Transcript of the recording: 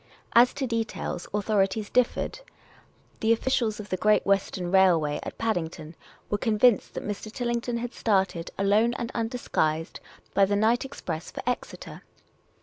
As to details, authorities differed. The officials of the Great Western Railway at Paddington were convinced that Mr. Tillington had started, alone and undisguised, by the night express for P^xeter.